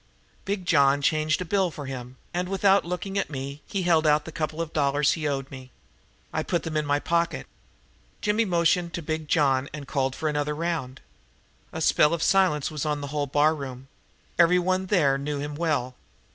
Big John changed a bill for him, and without looking at me, he held out the couple of dollars he owed me. I put them in my pocket. Jimmy motioned to Big John and called for another round. A spell of silence was on the whole barroom. Everyone there knew him well.